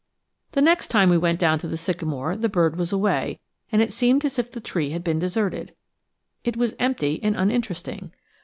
The next time we went down to the sycamore the bird was away, and it seemed as if the tree had been deserted. It was empty and uninteresting.